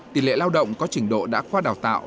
tỷ lệ lao động có trình độ đã qua đào tạo